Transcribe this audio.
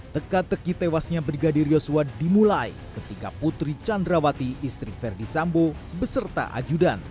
teka teki tewasnya brigadir yosua dimulai ketika putri candrawati istri verdi sambo beserta ajudan